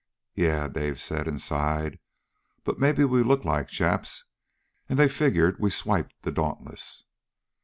"Yeah," Dave said, and sighed. "But maybe we look like Japs, and they figured we'd swiped the Dauntless."